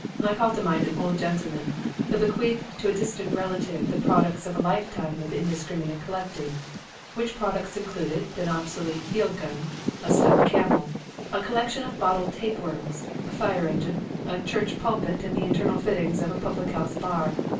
I call to mind an old gentleman who bequeathed to a distant relative the products of a lifetime of indiscrimate collecting; which products included an obsolete field gun, a stuffed camel, a collection of bottled tapeworms, a fire engine, a church pulpit and the internal fittings of a public house bar.